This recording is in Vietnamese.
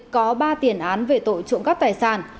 có ba tiền án về tội trộm cắp tài sản